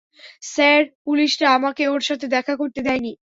Sir, পুলিশরা আমাকে ওর সাথে দেখা করতে দেয়নি।